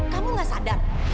kamu gak sadar